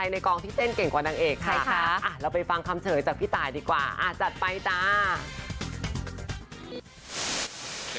เราไปฟังคำเฉยจากพี่ตายดีกว่าจัดไปจ้า